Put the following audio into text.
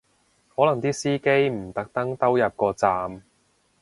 可能啲司機唔特登兜入個站